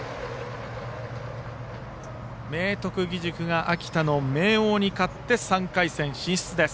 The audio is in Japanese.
明徳義塾が秋田の明桜に勝って３回戦進出です。